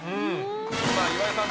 さあ岩井さん